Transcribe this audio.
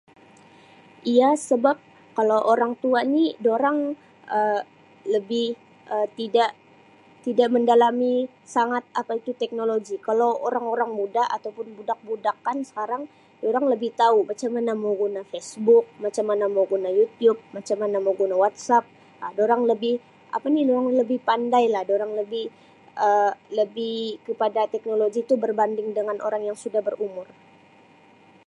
"Iya, sebab kalau orang tua ni durang Um lebih Um tidak, tidak mendalami sangat apa itu teknologi. Kalo orang-orang muda ataupun budak-budak kan sekarang durang lebih tau macam mana mau guna ""Facebook"", macam mana mau guna ""YouTube"", macam mana mau guna ""WhatsApp"" Um durang lebih apa ni, durang lebih pandai lah, durang lebih Um lebih kepada teknologi tu berbanding dengan orang yang sudah berumur."